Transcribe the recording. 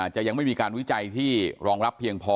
จะยังไม่มีการวิจัยที่รองรับเพียงพอ